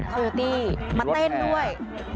เธอร์อิทธิมาเต้นด้วย